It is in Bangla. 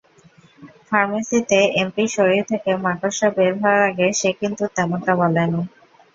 ফার্মেসীতে এমপির শরীর থেকে মাকড়সা বের হওয়ার আগে সে কিন্তু তেমনটা বলেনি!